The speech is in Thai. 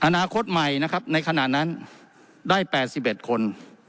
อนาคตใหม่นะครับในขณะนั้นได้๘๑คน